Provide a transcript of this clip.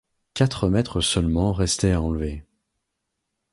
Quatre mètres seulement restaient à enlever.